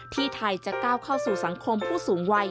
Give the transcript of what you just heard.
ที่ไทยจะก้าวเข้าสู่สังคมผู้สูงวัย